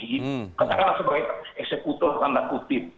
katakanlah sebagai eksekutor tanda kutip